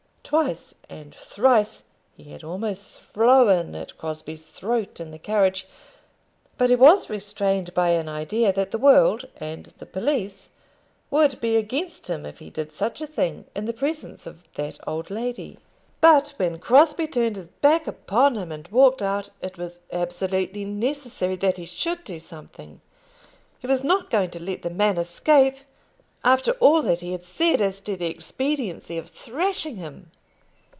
Twice and thrice he had almost flown at Crosbie's throat in the carriage, but he was restrained by an idea that the world and the police would be against him if he did such a thing in the presence of that old lady. But when Crosbie turned his back upon him, and walked out, it was absolutely necessary that he should do something. He was not going to let the man escape, after all that he had said as to the expediency of thrashing him.